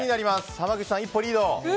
濱口さん、一歩リード！